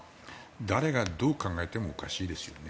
誰がどう考えてもおかしいですよね。